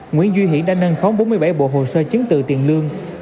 nguyễn duy hiển đã nâng khóng bốn mươi bảy bộ hồ sơ chứng tự tiền lương